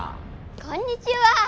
こんにちは。